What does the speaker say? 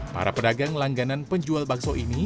para pedagang langganan penjual bakso ini